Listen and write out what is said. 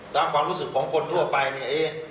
ความรู้สึกของคนทั่วไปเนี่ย